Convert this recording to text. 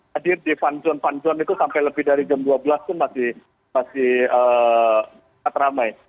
hadir di fun zone fun zone itu sampai lebih dari jam dua belas itu masih ramai